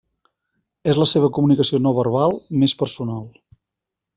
És la seva comunicació no verbal més personal.